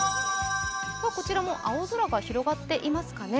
こちらも青空が広がっていますかね。